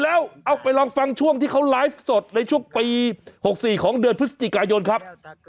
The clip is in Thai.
แล้วเอาไปลองฟังช่วงที่เขาไลฟ์สดในช่วงปี๖๔ของเดือนพฤศจิกายนครับ